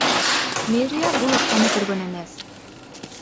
Мэрия бул акчаны көргөн эмес.